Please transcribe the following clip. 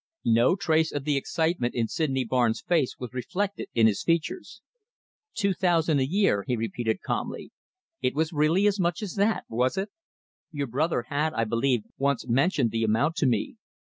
No trace of the excitement in Sydney Barnes' face was reflected in his features. "Two thousand a year," he repeated calmly. "It was really as much as that, was it? Your brother had, I believe, once mentioned the amount to me.